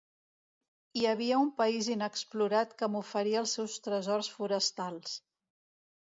Hi havia un país inexplorat que m'oferia els seus tresors forestals.